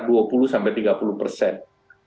nah ini adalah kesempatan untuk kita untuk menumbuhkan